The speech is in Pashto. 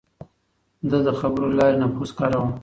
ده د خبرو له لارې نفوذ کاراوه.